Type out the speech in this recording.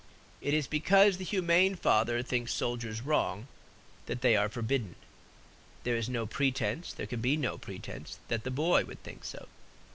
It is because the humane father thinks soldiers wrong that they are forbidden; there is no pretense, there can be no pretense, that the boy would think so.